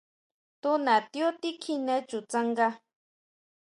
Tu natiú tikjine chu tsanga.